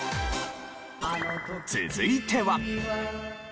続いては。